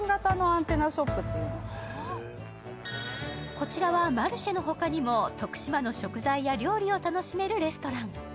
こちらはマルシェの他にも徳島の食材や料理を楽しめるレストラン。